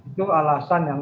itu alasan timingnya